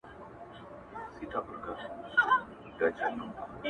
o کوم ظالم رانه وژلې؛ د هنر سپینه ډېوه ده,